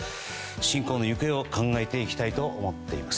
侵攻の行方を考えていきたいと思っています。